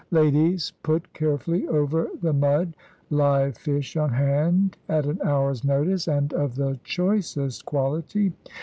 Ladies put carefully over the Mud. Live Fish on hand at an hour's notice, and of the choicest Quality."